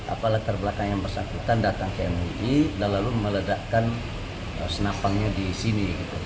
apa latar belakang yang bersangkutan datang ke mui dan lalu meledakkan senapangnya di sini